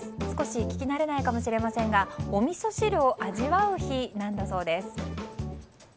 少し聞き慣れないかもしれませんがおみそ汁を味わう日なんだそうです。